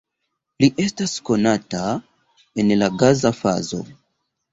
Li estas konata en la gaza fazo.